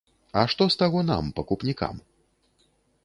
А што з таго нам, пакупнікам?